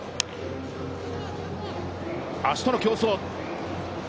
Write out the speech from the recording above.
足との競争。